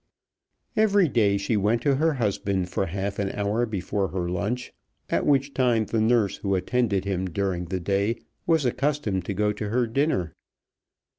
Every day she went to her husband for half an hour before her lunch, at which time the nurse who attended him during the day was accustomed to go to her dinner.